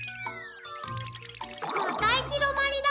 またいきどまりだ。